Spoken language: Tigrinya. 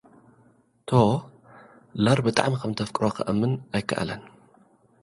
ቶ፡ ላር ብጣዕሚ ከምተፍቅሮ ክኣምን ኣይከኣለን።